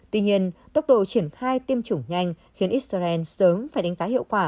tuy nhiên tốc độ triển khai tiêm chủng nhanh khiến israel sớm phải đánh giá hiệu quả